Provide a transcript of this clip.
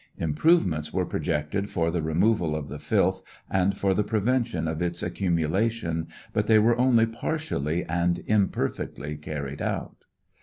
Improvements were projected for the removal of the filth and for the prevention of its accumulation, but they were only partially and imperfectly carried out.